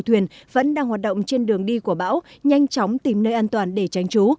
tàu thuyền vẫn đang hoạt động trên đường đi của bão nhanh chóng tìm nơi an toàn để tránh trú